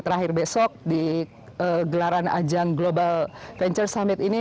terakhir besok di gelaran ajang global venture summit ini